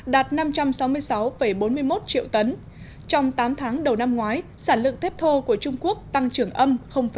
đạt năm trăm sáu mươi sáu bốn mươi một triệu tấn trong tám tháng đầu năm ngoái sản lượng thép thô của trung quốc tăng trưởng âm tám